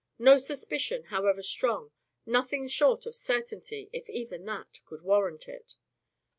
No suspicion, however strong, nothing short of certainty (if even that) could warrant it.